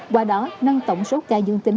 qua đó nâng tổng số ca dương tính